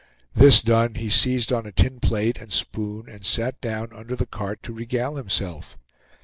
This done, he seized on a tin plate and spoon, and sat down under the cart to regale himself.